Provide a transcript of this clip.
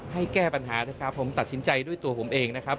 ให้แก้ปัญหานะครับผมตัดสินใจด้วยตัวผมเองนะครับ